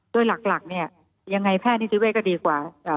โดยหลักยังไงแพทย์นิศีเวศก็ดีกว่า